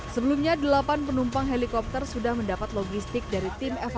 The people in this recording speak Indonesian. sebelumnya delapan penumpang helikopter sudah mendapat logistik dari tim evakuasi udara